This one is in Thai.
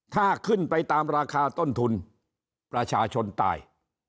ถ้าขึ้นไปตามราคาต้นทุนประชาชนตาย